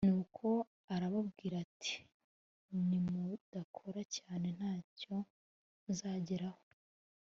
Nuko arababwira ati nimudakora cyane ntacyo muzageraho